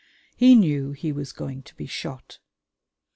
He knew he was going to be shot....